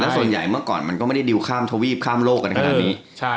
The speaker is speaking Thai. ส่วนใหญ่เมื่อก่อนมันก็ไม่ได้ดิวข้ามทวีปข้ามโลกกันขนาดนี้